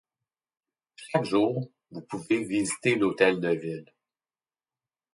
Chaque jour, vous pouvez visiter l'hôtel de ville.